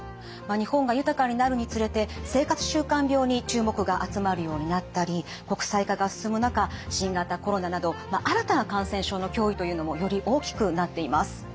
日本が豊かになるにつれて生活習慣病に注目が集まるようになったり国際化が進む中新型コロナなど新たな感染症の脅威というのもより大きくなっています。